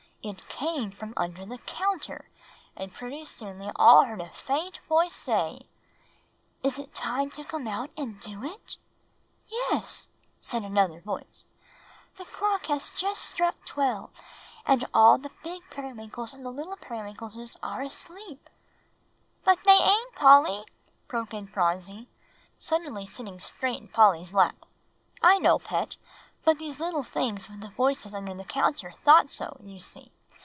"It came from under the counter; and pretty soon they all heard a faint voice say, 'Is it time to come out and do it?'" "'Yes,' said another voice; 'the clock has just struck twelve, and all the big Periwinkles and the little Periwinkleses are asleep.'" "But they ain't, Polly," broke in Phronsie, suddenly sitting straight in Polly's lap. "I know, Pet; but these little things with the voices under the counter thought so, you see.